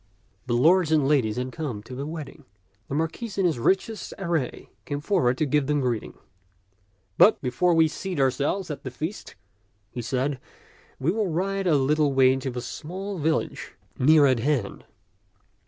The lords and ladies had come to the wedding. The Marquis in his richest array came forward to give them greeting. But before we seat ourselves at the feast," he said, " we will ride a little way to the small village near at hand."